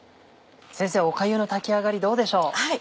先生おかゆの炊き上がりどうでしょう？